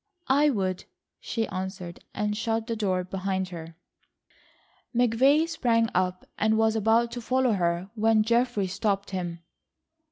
"I would," she answered and shut the door behind her. McVay sprang up and was about to follow her when Geoffrey stopped him.